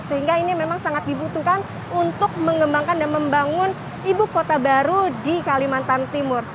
sehingga ini memang sangat dibutuhkan untuk mengembangkan dan membangun ibu kota baru di kalimantan timur